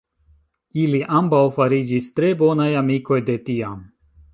Ili ambaŭ fariĝis tre bonaj amikoj de tiam.